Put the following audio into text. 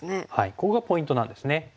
ここがポイントなんですね。